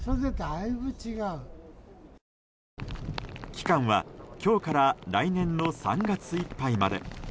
期間は、今日から来年の３月いっぱいまで。